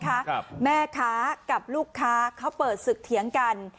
ครับแม่ค้ากับลูกค้าเขาเปิดศึกเถียงกัน